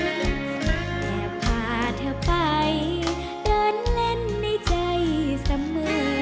อยากพาเธอไปเดินเล่นในใจเสมอ